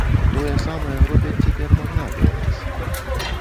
Тое самае робяць цяпер магнаты ў нас!